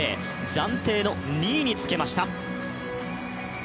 暫定の２位につけました。